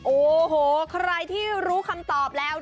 โอ้โหใครที่รู้คำตอบแล้ว